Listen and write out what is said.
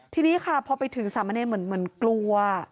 ที่นี่ค่ะเพราะไปถึงสรรพ์มะเนธเหมือนกลัว